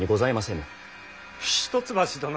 一橋殿。